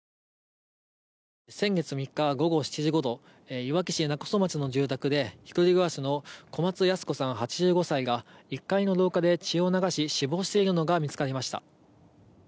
先月３日午後７時ごろいわき市勿来町の住宅で１人暮らしの小松ヤス子さん、８５歳が１階の廊下で血を流し死亡しているのが見つかりました。